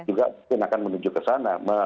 juga mungkin akan menuju ke sana